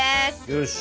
よし。